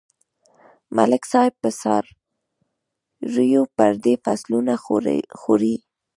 ملک صاحب په څارويو پردي فصلونه خوري.